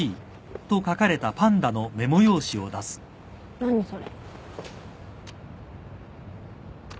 何それ。